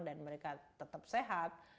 dan mereka tetap sehat